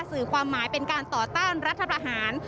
สื่อความหมายเป็นการต่อต้านรัฐประหาร